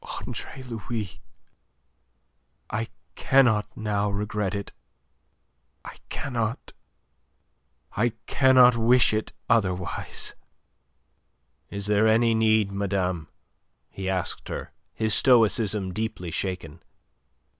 Andre Louis, I cannot now regret it. I cannot... I cannot wish it otherwise." "Is there any need, madame?" he asked her, his stoicism deeply shaken.